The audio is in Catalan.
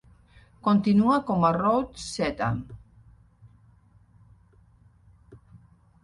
Continua com a Route Z.